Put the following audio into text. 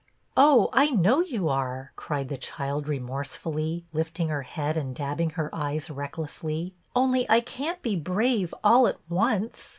" Oh, I know you are," cried the child, re morsefully, lifting her head and dabbing her eyes recklessly, " only I can't be brave all at once.